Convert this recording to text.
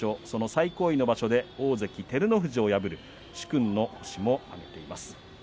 その最高位の場所で大関照ノ富士を破る殊勲の星を挙げています。